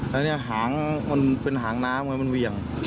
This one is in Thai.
แล้วเนี่ยหางมันเป็นหางน้ำไงมันเหวี่ยง